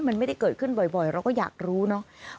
มันไม่ได้เกิดขึ้นบ่อยเราก็อยากรู้เนาะ